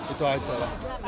itu aja lah